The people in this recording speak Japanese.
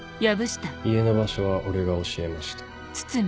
家の場所は俺が教えました。